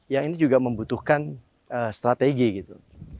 yang ini juga membutuhkan strategi gitu